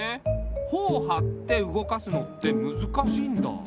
ほをはって動かすのってむずかしいんだ。